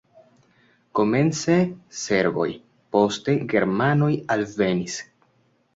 Komence serboj, poste germanoj alvenis.